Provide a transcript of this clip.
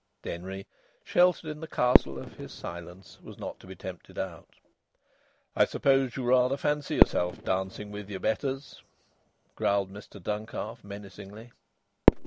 Denry, sheltered in the castle of his silence, was not to be tempted out. "I suppose you rather fancy yourself dancing with your betters?" growled Mr Duncalf, menacingly.